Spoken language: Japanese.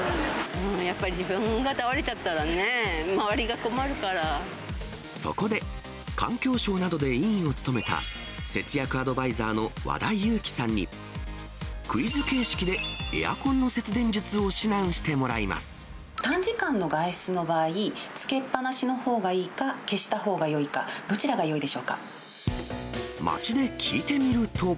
やっぱり自分が倒れちゃったそこで、環境省などで委員を務めた、節約アドバイザーの和田由貴さんにクイズ形式で、エアコンの節電短時間の外出の場合、つけっぱなしのほうがいいか、消したほうがよいか、どちらがよいでしょ街で聞いてみると。